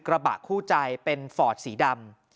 กระบะคู่ใจเป็นฟอร์ดสีดำ